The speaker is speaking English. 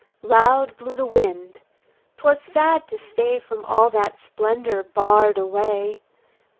Loud blew the wind; 'twas sad to stay From all that splendour barred away.